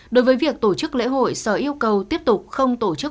đối với việc tổ chức lễ hội sở yêu cầu tiếp tục không tổ chức